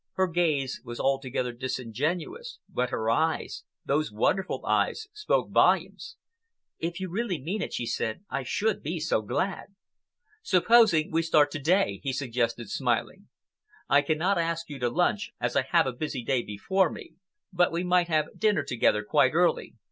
Her gaze was altogether disingenuous, but her eyes—those wonderful eyes—spoke volumes. "If you really mean it," she said, "I should be so glad." "Supposing we start to day," he suggested, smiling. "I cannot ask you to lunch, as I have a busy day before me, but we might have dinner together quite early.